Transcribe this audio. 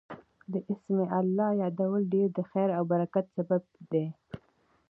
د اسماء الله يادول ډير د خير او برکت سبب دی